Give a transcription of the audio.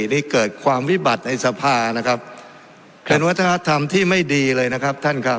นี่เกิดความวิบัติในสภานะครับเป็นวัฒนธรรมที่ไม่ดีเลยนะครับท่านครับ